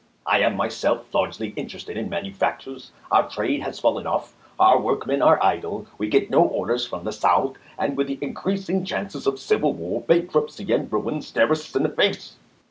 I am myself largely interested in manu factures. Our trade has fallen off, our workmen are idle, we get no orders from the South, and with the increasing chances of civil war, bankruptcy and ruin stare us in the face."